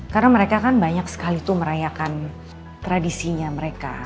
karena mereka kan banyak sekali tuh merayakan tradisinya mereka